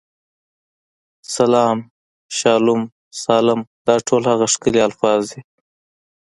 سلام، شالوم، سالم، دا ټول هغه ښکلي الفاظ دي.